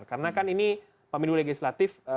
karena kan ini pemilu legislatif